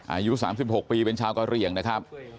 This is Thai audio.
อายุ๓๖ปีเป็นชาวกะเหลี่ยงนะครับ